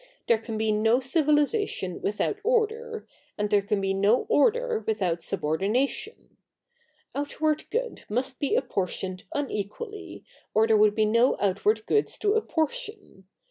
There can be no civilisation with out order, and there can be no order without subordina tion. Outward good must be apportioned unequally, or there would be no outward goods to apportion.